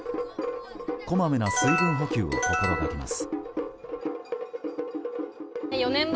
こまめな水分補給を心がけます。